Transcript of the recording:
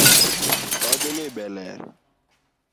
Od ni be ler?